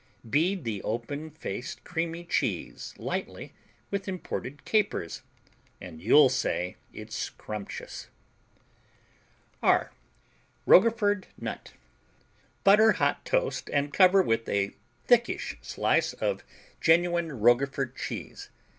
Bead the open faced creamy cheese lightly with imported capers, and you'll say it's scrumptious. R Roquefort Nut Butter hot toast and cover with a thickish slice of genuine Roquefort cheese.